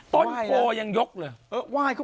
ต้นโพยังยกเลย